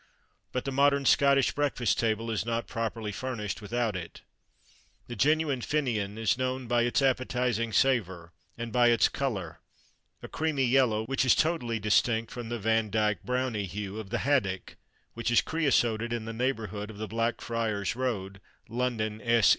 But the modern Scottish breakfast table is not properly furnished without it. The genuine "Fin'an" is known by its appetising savour and by its colour a creamy yellow, which is totally distinct from the Vandyke browny hue of the haddock which is creosoted in the neighbourhood of the Blackfriars Road, London, S.